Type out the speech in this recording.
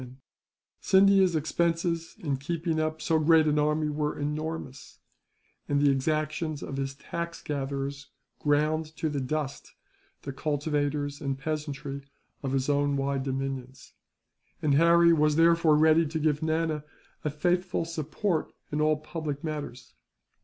Scindia's expenses in keeping up so great an army were enormous, and the exactions of his tax gatherers ground to the dust the cultivators and peasantry of his own wide dominions; and Harry was therefore ready to give Nana a faithful support in all public matters.